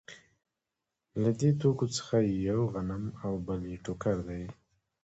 له دې توکو څخه یو غنم او بل یې ټوکر دی